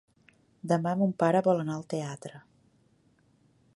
Demà mon pare vol anar al teatre.